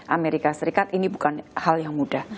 amerika serikat ini bukan hal yang mudah